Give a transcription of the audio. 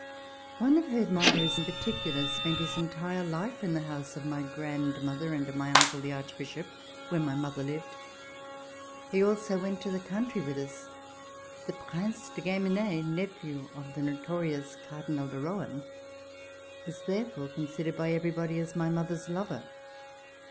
One of her admirers in particular spent his entire life in the house of my grandmother and of my uncle, the Archbishop, where my mother lived. He also went to the country with us. The Prince de Guemene, nephew of the notorious Cardinal de Rohan, was therefore considered by everybody as my mother's lover.